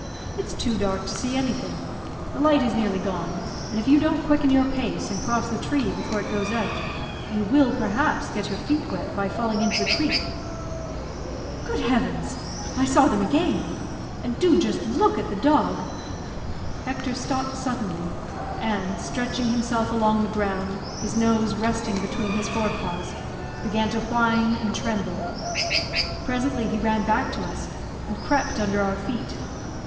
"It's too dark to see anything. The light is nearly gone, and, if you don't quicken your pace, and cross the tree before it goes out, you will, perhaps, get your feet wet by falling into the creek." "Good Heavens! I saw them again; and do just look at the dog." Hector stopped suddenly, and, stretching himself along the ground, his nose resting between his forepaws, began to whine and tremble. Presently he ran back to us, and crept under our feet.